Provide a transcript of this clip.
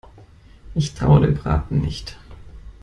Ich traue dem Braten nicht.